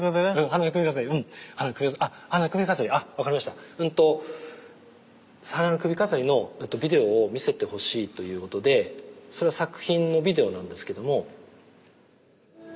「花の首飾り」のビデオを見せてほしいということでそれは作品のビデオなんですけども。